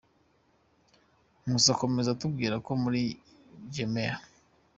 Nkusi akomeza atubwira ko muri gemeya.